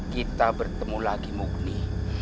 kita bertemu lagi mugni